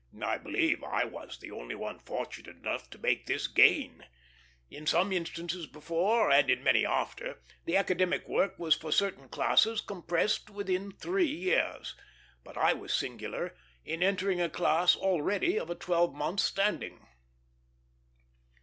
I believe I was the only one fortunate enough to make this gain. In some instances before, and in many after, the academic work was for certain classes compressed within three years, but I was singular in entering a class already of a twelvemonth's standing.